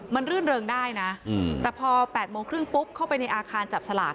มันรื่นเริงได้นะแต่พอ๘โมงครึ่งปุ๊บเข้าไปในอาคารจับสลาก